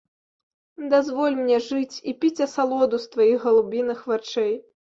Дазволь мне жыць і піць асалоду з тваіх галубіных вачэй.